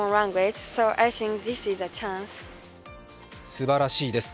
すばらしいです。